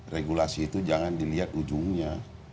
regulasi itu jangan dilihat ujungnya